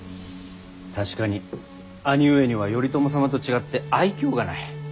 確かに兄上には頼朝様と違って愛嬌がない。